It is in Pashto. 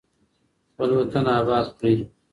خپل وطن اباد کړئ.